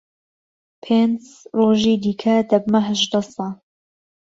پێنج ڕۆژی دیکە دەبمە هەژدە ساڵ.